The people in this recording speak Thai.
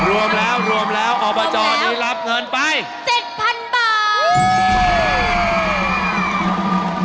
รวมแล้วรวมแล้วอบจนี้รับเงินไป๗๐๐๐บาท